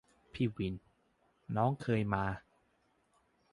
พี่วิน : น้องเคยมา